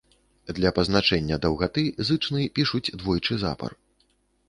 Для пазначэння даўгаты зычны пішуць двойчы запар.